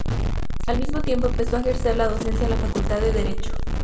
Al mismo tiempo empezó a ejercer la docencia en la facultad de Derecho.